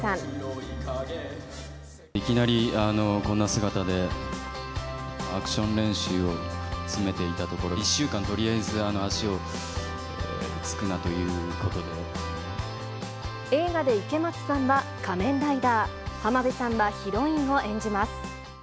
いきなりこんな姿で、アクション練習を進めていたところ、１週間、とりあえず足をつく映画で池松さんは仮面ライダー、浜辺さんはヒロインを演じます。